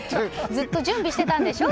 ずっと準備してたんでしょ？